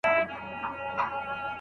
که پر مځکه ګرځېدل که په اوبو کي